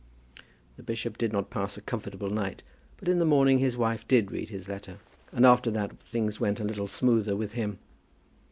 The bishop did not pass a comfortable night; but in the morning his wife did read his letter, and after that things went a little smoother with him.